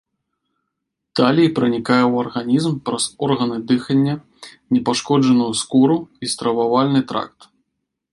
Талій пранікае ў арганізм праз органы дыхання, непашкоджаную скуру і стрававальны тракт.